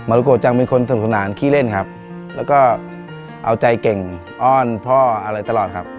รุโกจังเป็นคนสนุกสนานขี้เล่นครับแล้วก็เอาใจเก่งอ้อนพ่ออะไรตลอดครับ